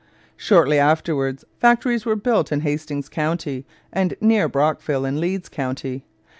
Shortly afterwards factories were built in Hastings County, and near Brockville, in Leeds County.